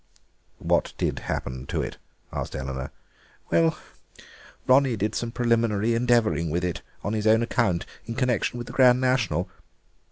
'" "What did happen to it?" asked Eleanor. "Well, Ronnie did some preliminary endeavouring with it, on his own account, in connection with the Grand National.